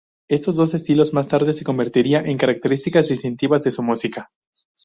Estos dos estilos más tarde se convertiría en características distintivas de su música.